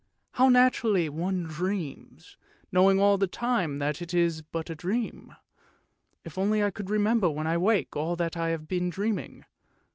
how naturally one dreams, knowing all the time that it is but a dream. If only I could remember when I wake all that I have been dreaming.